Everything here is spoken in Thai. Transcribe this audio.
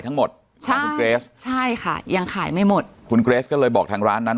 ทั้งหมดใช่คุณเกรสใช่ค่ะยังขายไม่หมดคุณเกรสก็เลยบอกทางร้านนั้น